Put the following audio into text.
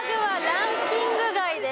ランキング外です。